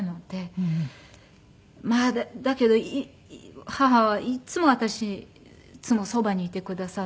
まあだけど母はいつも私いつもそばにいてくださる。